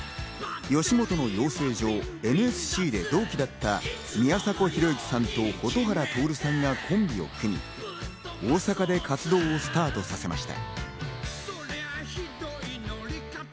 吉本の養成所ＮＳＣで同期だった宮迫博之さんと蛍原徹さんがコンビを組み、大阪で活動をスタートさせました。